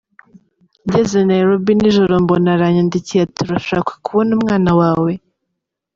Ngeze Nairobi Nijoro mbona aranyandikiye ati urashaka kubona umwana wawe